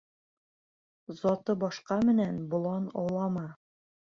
Заты башҡа менән болан аулама.